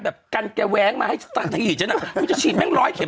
แบบกันแกแว้งมาคุณจะฉีดแม่งร้อยเข็ม